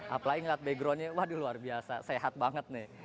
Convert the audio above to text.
apalagi ngeliat backgroundnya waduh luar biasa sehat banget nih